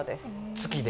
月で。